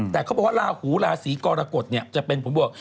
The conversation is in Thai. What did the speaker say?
แต่เขาบอกว่าลาหูราศีกรกฎเนี่ยจะเป็นผมบอก